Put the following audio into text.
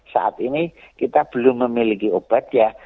saat ini kita belum memiliki obat ya